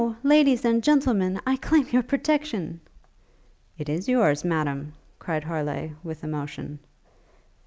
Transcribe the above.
no! Ladies! Gentlemen! I claim your protection!' 'It is your's, Madam!' cried Harleigh, with emotion.